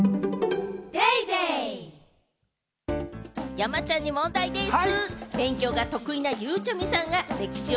山ちゃんに問題でぃす！